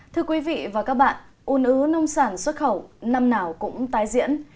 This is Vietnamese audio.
thưa quý vị và các bạn un ứ nông sản xuất khẩu năm nào cũng tái diễn